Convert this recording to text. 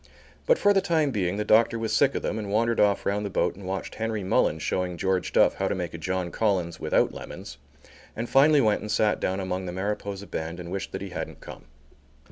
But, for the time being, the doctor was sick of them and wandered off round the boat and watched Henry Mullins showing George Duff how to make a John Collins without lemons, and finally went and sat down among the Mariposa band and wished that he hadn't come.